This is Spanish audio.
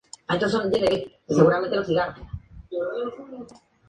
Ha editado una docena de publicaciones de otros autores.